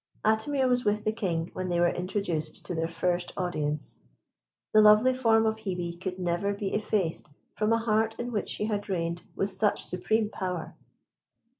Atimir was with the King when they were introduced to their first audience. The lovely form of Hebe could never be effaced from a heart in which she had reigned with such supreme power.